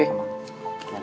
eh siap hati hati